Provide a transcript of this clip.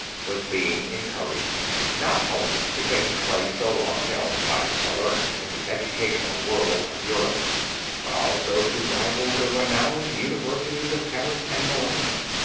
was being encouraged not only to take the place so long held by Salernum in the educational world of Europe, but also to rival the renowned Universities of Paris and Bologna.